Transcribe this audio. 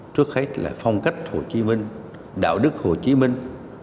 trước hết là phong cách hồ chí minh đạo đức hồ chí minh